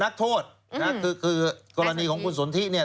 นักโทษนะคือคือกรณีของคุณสนทิเนี่ย